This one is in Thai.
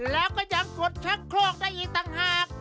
แล้วก็ยังกดชักโครกได้อีกต่างหาก